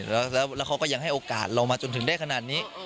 แล้วเขาก็ยังให้โอกาสเรามาจนถึงได้ขนาดนี้